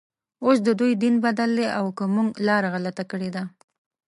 اوس ددوی دین بدل دی او که موږ لاره غلطه کړې ده.